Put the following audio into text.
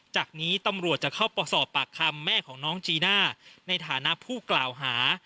จากนี้ตำรวจจะเข้าสอบปากคำแม่ของน้องจีน่าในฐานะผู้กล่าวหา